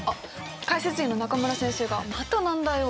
解説委員の中村先生がまた難題を。